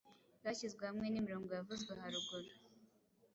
zashyize hamwe nimirongo yavuzwe haruguru